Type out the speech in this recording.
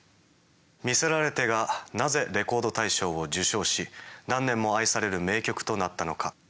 「魅せられて」がなぜレコード大賞を受賞し何年も愛される名曲となったのか？